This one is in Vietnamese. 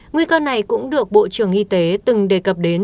nguy cơ này cũng được bộ trưởng y tế từng đề cập đến